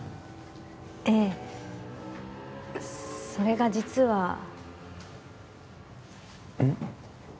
ええそれが実はうん？